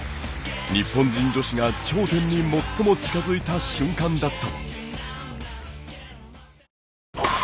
日本人女子が頂点に最も近づいた瞬間だった。